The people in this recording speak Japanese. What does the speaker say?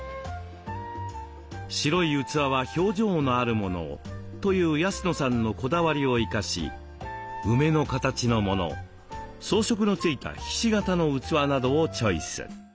「白い器は表情のあるものを」という安野さんのこだわりを生かし梅の形のもの装飾のついたひし形の器などをチョイス。